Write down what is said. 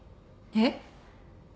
えっ？